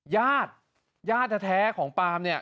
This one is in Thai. ญาติญาติแท้ของปาล์มเนี่ย